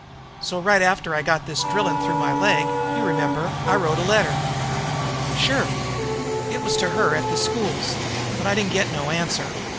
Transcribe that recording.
So, right after I got this drilling through the leg, you remember, I wrote a letter?" "Sure." "It was to her at the schools, but I didn't get no answer.